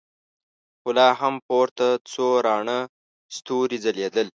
خو لا هم پورته څو راڼه ستورې ځلېدل.